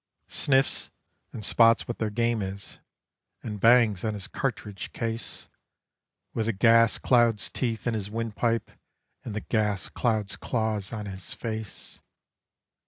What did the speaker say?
Sniffs, and spots what their game is, and bangs on his cartridge case, With the gas cloud's teeth in his windpipe and the gas cloud's claws on his face.